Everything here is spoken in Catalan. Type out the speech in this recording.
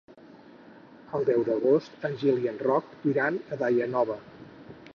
El deu d'agost en Gil i en Roc iran a Daia Nova.